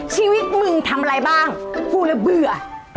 ชีวิตมึงทำอะไรบ้างพูดแล้วเบื่อ